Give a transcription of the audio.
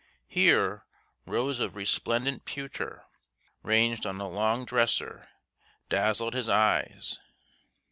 Here rows of resplendent pewter, ranged on a long dresser, dazzled his eyes.